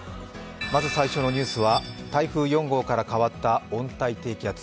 まず最初のニュースは台風４号から変わった温帯低気圧。